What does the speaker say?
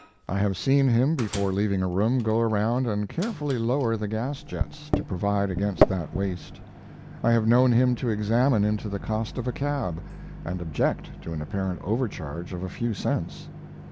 I have seen him, before leaving a room, go around and carefully lower the gas jets, to provide against that waste. I have known him to examine into the cost of a cab, and object to an apparent overcharge of a few cents.